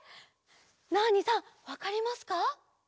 ナーニさんわかりますか？